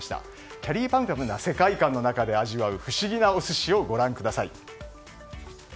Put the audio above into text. きゃりーぱみゅぱみゅな世界観の中で味わう不思議なお寿司を、ご覧ください。